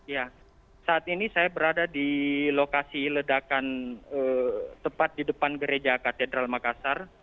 ya saat ini saya berada di lokasi ledakan tepat di depan gereja katedral makassar